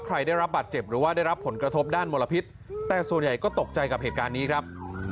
ใครได้รับบาดเจ็บหรือว่าได้รับผลกระทบด้านมลพิษแต่ส่วนใหญ่ก็ตกใจกับเหตุการณ์นี้ครับ